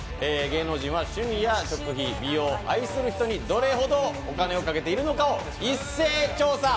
芸能人は趣味や食費、美容、愛する人にどれほどお金をかけているのかを一斉調査。